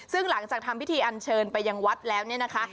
ซึ่งหลังจากทำพิธีอันเชิญไปยังวัดแล้วเนี่ยนะคะ